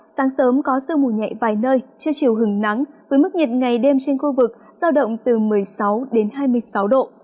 sáng sớm có sương mù nhẹ vài nơi chưa chiều hứng nắng với mức nhiệt ngày đêm trên khu vực giao động từ một mươi sáu hai mươi sáu độ